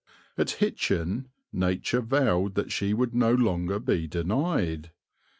At Hitchin Nature vowed that she would no longer be denied.